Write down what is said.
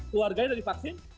keluarganya sudah divaksin